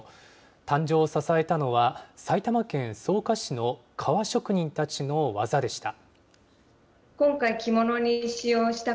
誕生を支えたのは、埼玉県草加市の革職人たちの技でした。